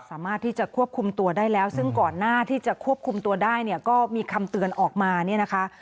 สามารถที่จะควบคุมตัวได้แล้วซึ่งก่อนหน้าที่จะควบคุมตัวได้เนี่ยก็มีคำเตือนออกมาเนี่ยนะคะ